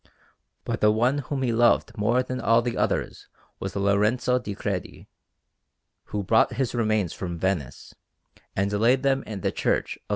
But the one whom he loved more than all the others was Lorenzo di Credi, who brought his remains from Venice and laid them in the Church of S.